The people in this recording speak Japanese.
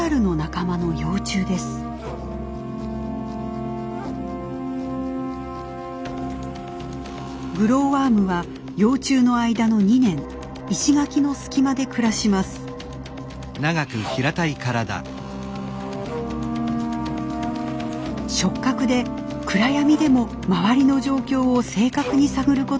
触覚で暗闇でも周りの状況を正確に探ることができます。